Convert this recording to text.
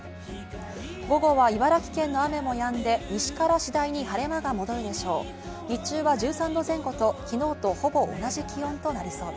午後は茨城県の雨もやんで、西から次第に晴れ間が戻るでしょう。